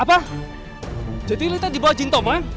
apa jadi lita dibawa jinn tomang